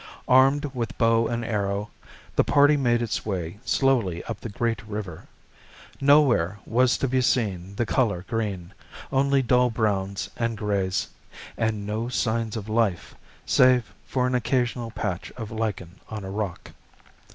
Armed with bow and arrow, the party made its way slowly up the great river. Nowhere was to be seen the color green, only dull browns and greys. And no sign of life, save for an occasional patch of lichen on a rock.